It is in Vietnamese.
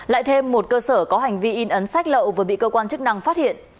lại thêm một cơ sở có hành vi in ấn sách lậu vừa bị cơ quan chức năng phát hiện